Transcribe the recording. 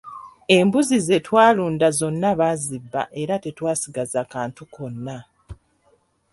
Embuzi ze twalunda zonna baazibba era tetwasigaza kantu konna.